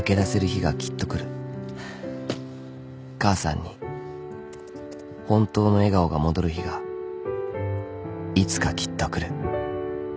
［母さんに本当の笑顔が戻る日がいつかきっと来る］